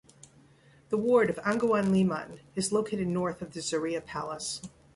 The ward of Anguwan Liman is located north of the Zaria palace.